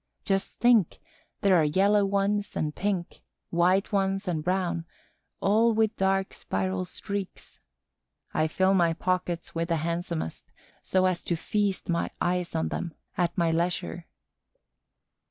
Just think, there are yellow ones and pink, white ones and brown, all with dark spiral streaks. I fill my pockets with the handsomest, so as to feast my eyes on them at my leisure.